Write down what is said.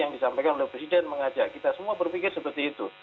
yang disampaikan oleh presiden mengajak kita semua berpikir seperti itu